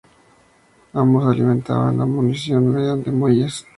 Ambos alimentaban la munición mediante muelles.